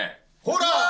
ほら！